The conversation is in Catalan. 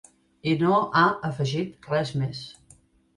I no ha afegit res més.